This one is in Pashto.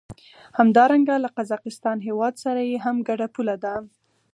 همدارنګه له قزاقستان هېواد سره یې هم ګډه پوله ده.